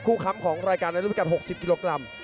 ค้ำของรายการในรุ่นพิกัด๖๐กิโลกรัม